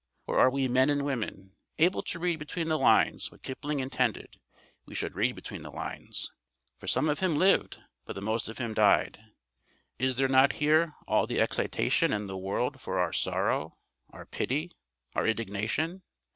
Or are we men and women, able to read between the lines what Kipling intended we should read between the lines? "For some of him lived, but the most of him died." Is there not here all the excitation in the world for our sorrow, our pity, our indignation?